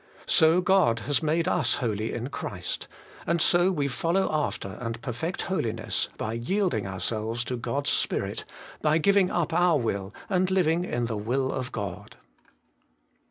So God has made us holy in Christ; and so we follow after and perfect holiness by yielding ourselves to God's Spirit, by giving up our will and living in the will of God.